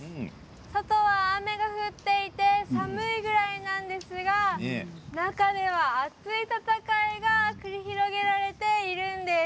外は雨が降っていて寒いぐらいなんですが中では、熱い戦いが繰り広げられているんです。